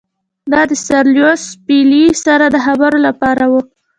دا د سر لیویس پیلي سره د خبرو لپاره وو.